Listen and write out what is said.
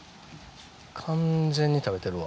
完全に食べてるわ。